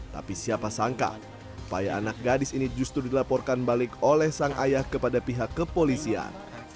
tapi siapa sangka payah anak gadis ini justru dilaporkan balik oleh sang ayah kepada pihak kepolisian